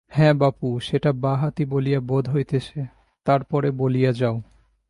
হাঁ বাপু, সেটা বাঁ-হাতি বলিয়া বোধ হইতেছে, তার পরে বলিয়া যাও।